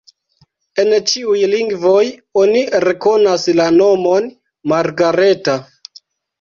En ĉiuj lingvoj oni rekonas la nomon Margareta.